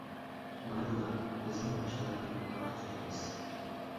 مانا بۇلار بىزنىڭ باشقىلاردا يوق ئارتۇقچىلىقىمىز.